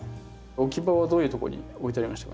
置き場はどういうとこに置いてありましたか？